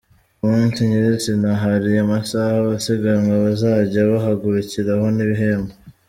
Ku munsi nyirizina hari amasaha abasiganwa bazajya bahagurukiraho n’ibihembo:.